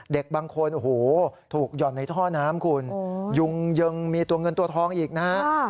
เด็กบางคนโอ้โหถูกหย่อนในท่อน้ำคุณยุงยังมีตัวเงินตัวทองอีกนะฮะ